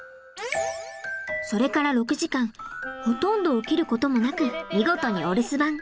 それから６時間ほとんど起きることもなく見事にお留守番。